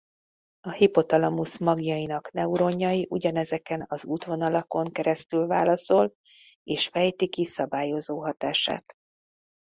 A hipotalamusz magjainak neuronjai ugyanezeken az útvonalakon keresztül válaszol és fejti ki szabályozó hatását.